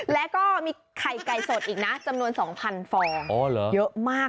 แล้วก็มีไข่ไก่สดอีกนะจำนวน๒๐๐ฟองเยอะมาก